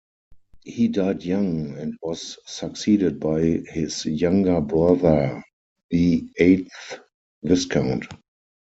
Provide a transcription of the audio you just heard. He died young and was succeeded by his younger brother, the eighth Viscount.